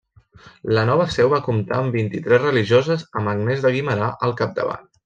La nova seu va comptar amb vint-i-tres religioses amb Agnès de Guimerà al capdavant.